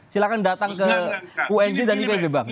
silahkan datang ke unb dan ipb bang